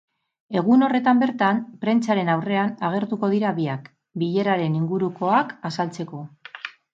Egun horretan bertan, prentsaren aurrean agertuko dira biak, bileraren ingurukoak azaltzeko.